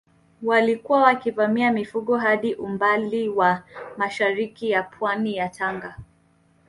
Walikuwa wakivamia mifugo hadi umbali wa mashariki ya pwani ya Tanga